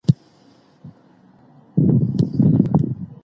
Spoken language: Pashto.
د پايليک موضوعات ژبني کړئ.